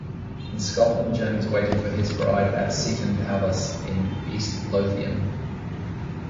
In Scotland James waited for his bride at Seton Palace in East Lothian.